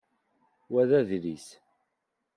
Wa d adlis.